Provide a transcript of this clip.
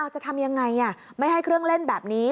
จะทำยังไงไม่ให้เครื่องเล่นแบบนี้